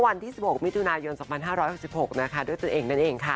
วันที่๑๖มิถุนายน๒๕๖๖นะคะด้วยตัวเองนั่นเองค่ะ